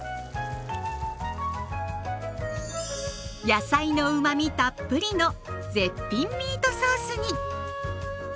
野菜のうまみたっぷりの絶品ミートソースに。